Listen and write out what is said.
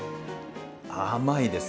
甘いです。